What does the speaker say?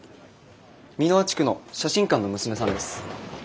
美ノ和地区の写真館の娘さんです。